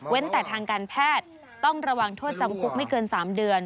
แต่ทางการแพทย์ต้องระวังโทษจำคุกไม่เกิน๓เดือน